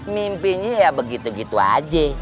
mimpinya ya begitu gitu aja